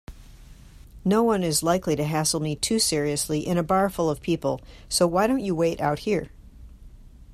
Noone is likely to hassle me too seriously in a bar full of people, so why don't you wait out here?